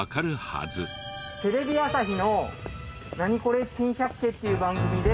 テレビ朝日の『ナニコレ珍百景』っていう番組で。